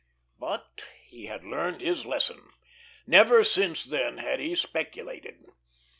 But he had learned his lesson. Never since then had he speculated.